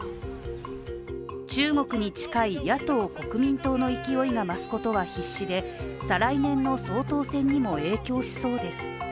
中国に近い野党・国民党の勢いが増すことは必至で再来年の総統選にも影響しそうです。